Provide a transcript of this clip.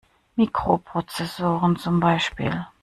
Mikroprozessoren zum Beispiel.